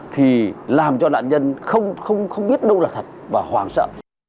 thì làm cho nạn nhân không biết đâu là thật và hoàng sợ